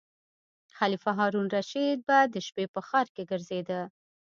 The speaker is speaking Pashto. خلیفه هارون الرشید به د شپې په ښار کې ګرځیده.